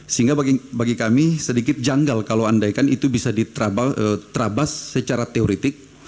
sehingga bagi kami sedikit janggal kalau andaikan itu bisa diterabas secara teoretik